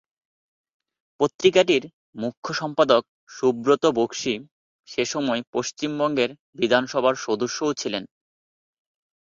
পত্রিকাটির মুখ্য সম্পাদক সুব্রত বক্সী সেসময় পশ্চিমবঙ্গের বিধানসভার সদস্যও ছিলেন।